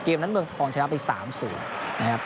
เกมนั้นเมืองทองชนะไป๓๐นะครับ